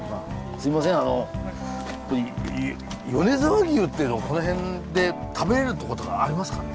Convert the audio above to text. すいません米沢牛っていうのをこの辺で食べれるとことかありますかね？